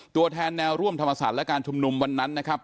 ตัวแทนแนวร่วมธรรมศาสตร์และการชุมนุมวันนั้นนะครับ